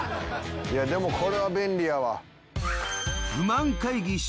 いやでもこれは便利やわ。